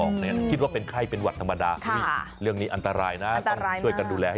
ค่าป้องกันด้วยก่อน